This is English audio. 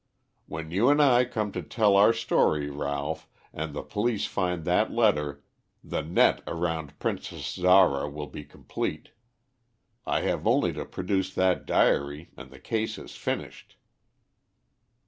When you and I come to tell our story, Ralph, and the police find that letter, the net around Princess Zara will be complete. I have only to produce that diary and the case is finished."